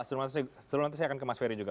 sebelum nanti saya akan ke mas ferry juga